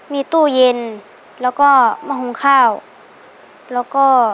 มีตู้เย็นแล้วก็มาหุงข้าวแล้วก็